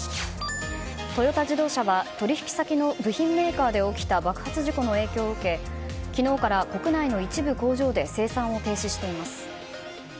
トヨタ自動車は取引先の部品メーカーで起きた爆発事故の影響を受け昨日から国内の一部工場で生産を停止しています。